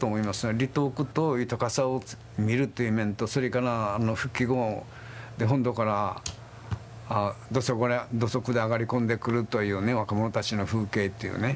離島苦と豊かさを見るっていう面とそれから復帰後本土から土足で上がり込んでくるというね若者たちの風景っていうね。